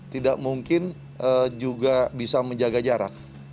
tidak mungkin juga bisa menjaga jarak